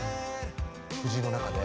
藤井の中で。